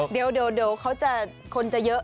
เดี๋ยวเขาจะคนจะเยอะ